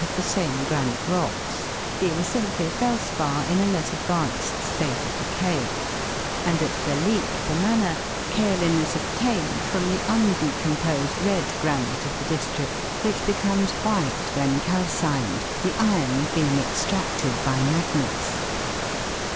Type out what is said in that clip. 121 of the same granite rocks, being simply felspar in a less advanced state of decay ; and at Belleek, Fermanagh, kaolin is obtained from the undecomposed red granite of the district, which becomes white when calcined, the iron being extracted by magnets.